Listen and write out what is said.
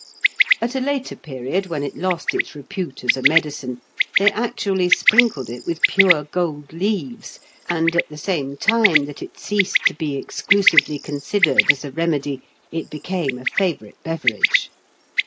At a later period, when it lost its repute as a medicine, they actually sprinkled it with pure gold leaves, and at the same time that it ceased to be exclusively considered as a remedy, it became a favourite beverage.